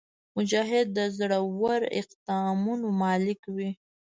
مجاهد د زړور اقدامونو مالک وي.